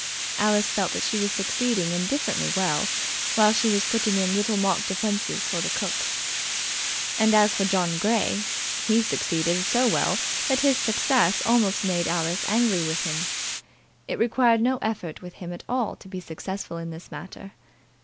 Alice felt that she was succeeding indifferently well while she was putting in little mock defences for the cook. And as for John Grey, he succeeded so well that his success almost made Alice angry with him. It required no effort with him at all to be successful in this matter.